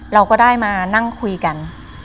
เราก็ได้มานั่งคุยกัน